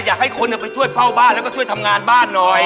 อยากให้คนไปช่วยเฝ้าบ้านแล้วก็ช่วยทำงานบ้านหน่อย